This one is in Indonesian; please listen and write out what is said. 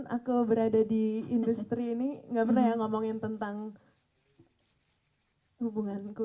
aku berada di industri ini gak pernah ya ngomongin tentang hubunganku